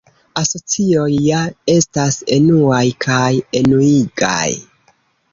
Asocioj ja estas enuaj kaj enuigaj.